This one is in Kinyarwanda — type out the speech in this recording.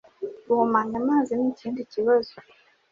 Guhumanya amazi ni ikindi kibazo